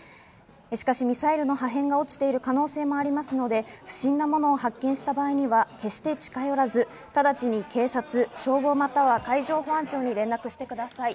しかし、ミサイルの破片が落ちている可能性もありますので、不審なものを発見した場合には決して近寄らず、直ちに警察、消防、または海上保安庁に連絡してください。